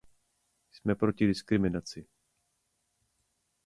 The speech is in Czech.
Jsme proti diskriminaci.